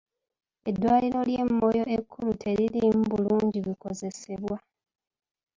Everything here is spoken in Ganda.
Eddwaliro ly'e Moyo ekkulu teririimu bulungi bikozesebwa.